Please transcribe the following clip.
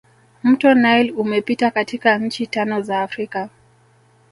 mto nile umepita katika nchi tano za africa